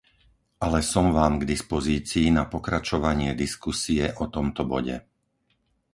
Ale som vám k dispozícii na pokračovanie diskusie o tomto bode.